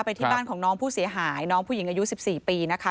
ที่บ้านของน้องผู้เสียหายน้องผู้หญิงอายุ๑๔ปีนะคะ